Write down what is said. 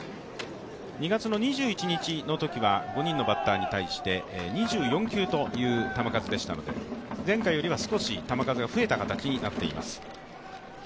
２月２１日のときは５人のバッターに対して２４球という球数でしたので前回よりは少し球数が増えた形になっています。